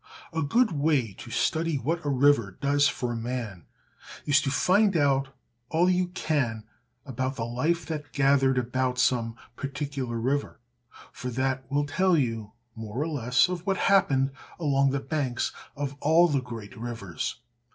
A good way to study what a river does for man is to find out all you can about the life that gathered about some particular river, for that will tell you more or less of what happened along the banks of all the great rivers.